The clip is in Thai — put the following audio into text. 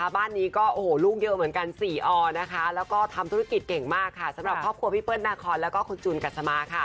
บ้านนี้ก็ลูกเยอะเหมือนกัน๔อแล้วก็ทำธุรกิจเก่งมากค่ะสำหรับครอบครัวพี่เปิ้ลนาคอนแล้วก็คุณจูนกัสมาค่ะ